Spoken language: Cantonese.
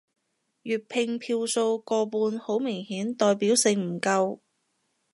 粵拼票數過半好明顯代表性唔夠